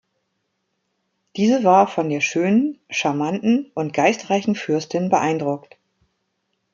Diese war von der schönen, charmanten und geistreichen Fürstin beeindruckt.